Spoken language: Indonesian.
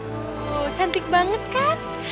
tuh cantik banget kan